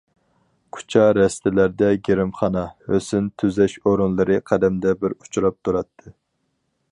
كوچا- رەستىلەردە گىرىمخانا، ھۆسن تۈزەش ئورۇنلىرى قەدەمدە بىر ئۇچراپ تۇراتتى.